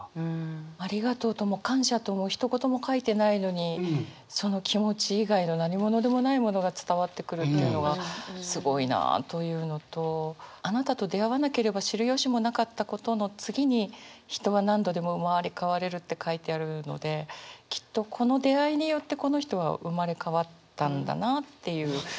「ありがとう」とも「感謝」ともひと言も書いてないのにその気持ち以外の何物でもないものが伝わってくるっていうのがすごいなあというのと「あなたと出会わなければ知る由もなかったこと」の次に「人は何度でも生まれ変われる」って書いてあるのできっとこの出会いによってこの人は生まれ変わったんだなっていう。